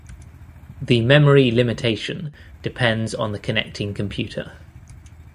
The memory limitation depends on the connecting computer.